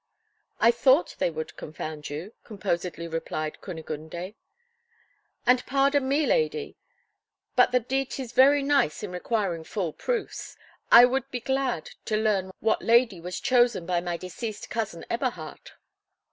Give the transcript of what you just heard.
"I thought they would confound you," composedly replied Kunigunde. "And pardon me, lady, but the Diet is very nice in requiring full proofs. I would be glad to learn what lady was chosen by my deceased cousin Eberhard."